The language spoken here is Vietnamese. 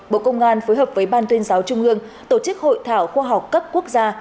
bộ công an phối hợp với ban tuyên giáo trung ương tổ chức hội thảo khoa học cấp quốc gia